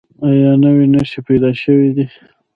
ایا نوي نښې پیدا شوي دي؟